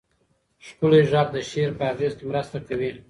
ښکلی غږ د شعر په اغېز کې مرسته کوي.